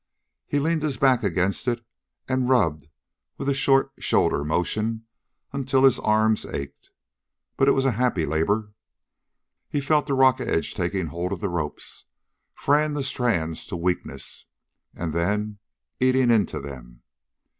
He leaned his back against it and rubbed with a short shoulder motion until his arms ached, but it was a happy labor. He felt the rock edge taking hold of the ropes, fraying the strands to weakness, and then eating into them.